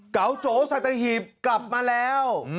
เก๋าโจสัตหีบกลับมาแล้ว